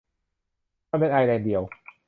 มันเป็นไอร์แลนด์เดียว